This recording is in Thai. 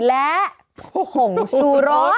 และผงชูรส